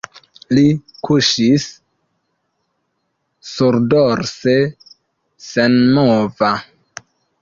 Li kuŝis surdorse senmova.